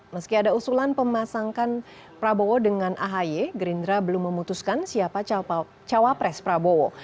meski ada usulan pemasangkan prabowo dengan ahy gerindra belum memutuskan siapa cawapres prabowo